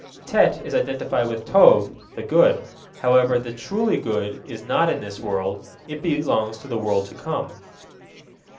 Tet is identified with Tob, the good. However, the truly good is not in this world; it belongs to the world to come.